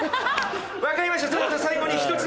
分かりました最後に１つ。